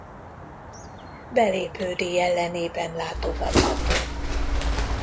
Belépődíj ellenében látogatható.